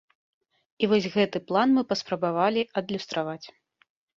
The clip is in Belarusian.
І вось гэты план мы паспрабавалі адлюстраваць.